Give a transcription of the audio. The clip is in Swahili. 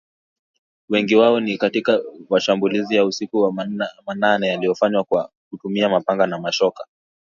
Wengi wao ni katika mashambulizi ya usiku wa manane yaliyofanywa kwa kutumia mapanga na mashoka